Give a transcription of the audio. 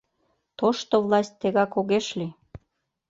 Тошто власть тегак огеш лий...